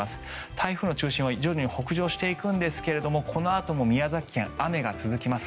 台風の中心は徐々に北上していくんですがこのあとも宮崎県、雨が続きます。